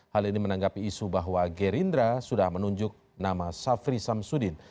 hal ini menanggapi isu bahwa gerindra sudah menunjuk nama safri samsudin